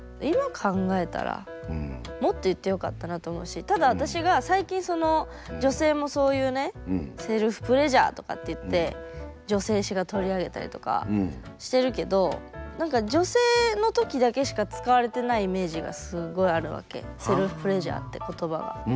今考えたらもっと言ってよかったなと思うしただ私が最近その女性もそういうねセルフプレジャーとかっていって女性誌が取り上げたりとかしてるけど何か女性の時だけしか使われてないイメージがすごいあるわけセルフプレジャーって言葉が。